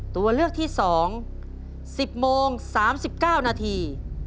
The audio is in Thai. ตัวเลือกที่๒๑๐โมง๓๙นาที